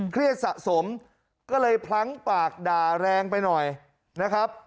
เครียดสะสมก็เลยพลั้งปากด่าแรงไปหน่อยนะครับ